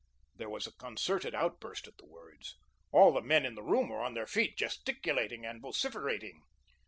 There was a concerted outburst at the words. All the men in the room were on their feet, gesticulating and vociferating.